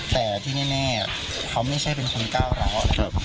แต่ที่แน่เขาไม่ใช่เป็นคนก้าวร้าว